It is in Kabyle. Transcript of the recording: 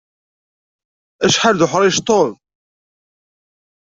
Acḥal d uḥṛic Tom!